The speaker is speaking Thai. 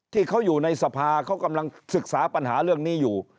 ที่เขาอยู่ในสภาเขากำลังศึกษาปัญหาเรื่องนี้อยู่